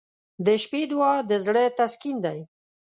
• د شپې دعا د زړه تسکین دی.